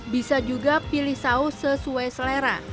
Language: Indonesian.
bisa juga pilih saus sesuai selera